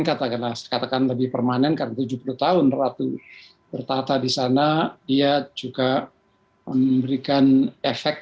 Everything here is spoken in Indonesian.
katakanlah katakan lebih permanen karena tujuh puluh tahun ratu bertata di sana dia juga memberikan efek